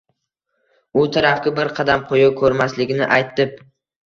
u tarafga bir qadam qo'ya ko'rmasligini aytib